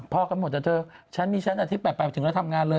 พอกันหมดอะเธอฉันมีฉันอาทิตย์๘๘ถึงแล้วทำงานเลย